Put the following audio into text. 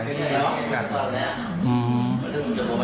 ลักษณ์มากกว่า